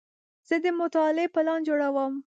زه د مطالعې پلان جوړوم.